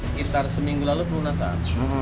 sekitar seminggu lalu pelunasan